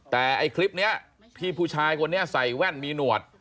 แต่ไอ้คลิปนี้ที่ผู้ชายคนนี้ใส่แว่นมีหนวด